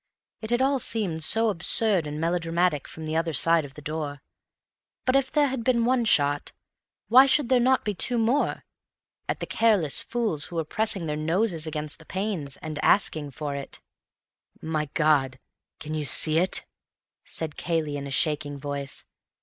It had all seemed so absurd and melodramatic from the other side of the door. But if there had been one shot, why should there not be two more?—at the careless fools who were pressing their noses against the panes, and asking for it. "My God, can you see it?" said Cayley in a shaking voice.